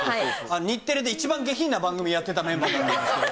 日テレで一番下品な番組をやってたメンバーなんですけど。